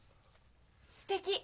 すてき！